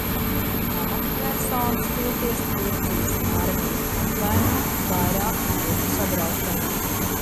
Amatpersonas toties Turcijas armiju apvaino vairāku tiltu sagraušanā.